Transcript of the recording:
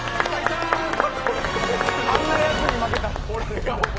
あんなやつに負けた。